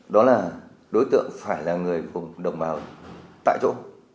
đó là đối tượng phải là người vùng đồng bào tại chỗ